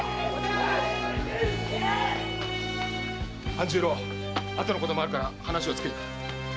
半十郎あとのこともあるから話をつけてくる。